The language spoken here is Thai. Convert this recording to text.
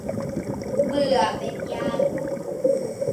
เบื่อเป็นยารุ